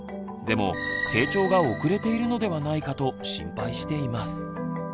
でも成長が遅れているのではないかと心配しています。